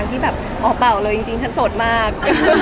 ที่แบบอ๋อเปล่าเลยจริงฉันโสดมาก